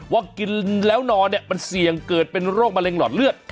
ว่ากินแล้วนอนเนี่ยมันเสี่ยงเกิดเป็นโรคมะเร็งหลอดเลือด